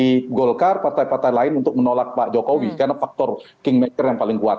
saya kira sulit bagi golkar partai partai lain untuk menolak pak jokowi karena faktor kingmaker yang paling kuat